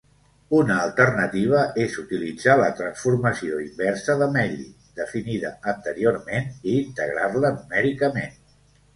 Una alternativa és utilitzar la transformació inversa de Mellin, definida anteriorment, i integrar-la numèricament.